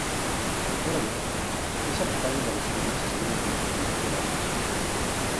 Ahora bien, ¿Es aplicable la desobediencia civil en tiempos contemporáneos?